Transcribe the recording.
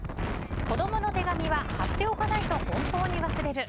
子供の手紙は貼っておかないと本当に忘れる。